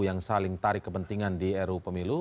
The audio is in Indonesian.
yang saling tarik kepentingan di ru pemilu